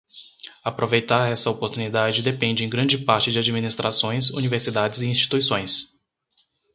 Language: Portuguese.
Aproveitar essa oportunidade depende em grande parte de administrações, universidades e instituições.